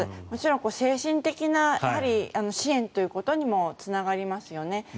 もちろん精神的な支援ということにもつながりますよね。